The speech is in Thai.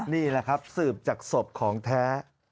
นี่แหละครับสืบจากศพของแท้